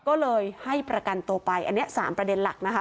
ก็เลยให้ประกันตัวไปอันนี้๓ประเด็นหลักนะคะ